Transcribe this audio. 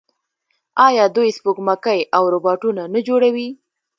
آیا دوی سپوږمکۍ او روباټونه نه جوړوي؟